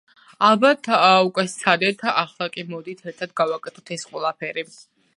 ალბათ უკვე სცადეთ, ახლა კი მოდით ერთად გავაკეთოთ ეს ყველაფერი.